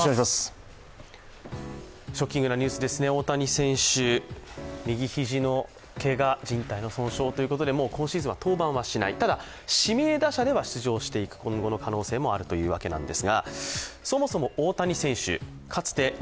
ショッキングなニュースですね、大谷選手、右肘のけが、じん帯の損傷ということで今シーズンはもう登板しないと、ただ、指名打者では出場していく今後の可能性もあるというわけです。